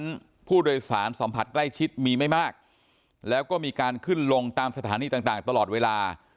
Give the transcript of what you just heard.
นั้นผู้โดยสารสัมผัสใกล้ชิดมีไม่มากแล้วก็มีการขึ้นลงตามสถานีต่างตลอดเวลา